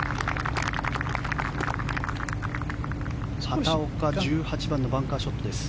畑岡１８番のバンカーショットです。